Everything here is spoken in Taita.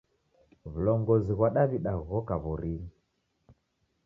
W'ulongozi ghwa Daw'ida ghoka w'orinyi.